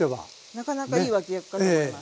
なかなかいい脇役かと思います。